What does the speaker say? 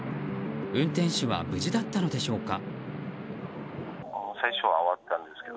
運転手は無事だったのでしょうか。